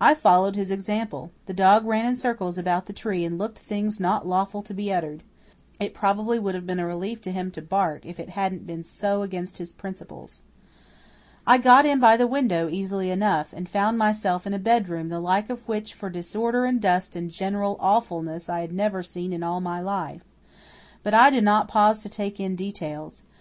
I followed his example. The dog ran in circles about the tree and looked things not lawful to be uttered. It probably would have been a relief to him to bark if it hadn't been so against his principles. I got in by the window easily enough, and found myself in a bedroom the like of which for disorder and dust and general awfulness I had never seen in all my life. But I did not pause to take in details.